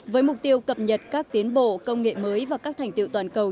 với mục tiêu cập nhật các tiến bộ công nghệ mới và các thành tiệu toàn cầu